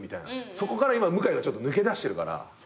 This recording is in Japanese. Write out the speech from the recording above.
そこから今向井がちょっと抜け出してるから。